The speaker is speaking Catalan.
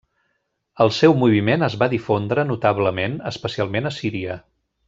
El seu moviment es va difondre notablement, especialment a Síria.